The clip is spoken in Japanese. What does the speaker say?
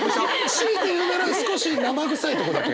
強いて言うなら少しなまぐさいとこだけ。